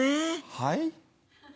はい？